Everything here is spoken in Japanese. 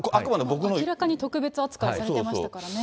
明らかに特別扱いされてましたからね。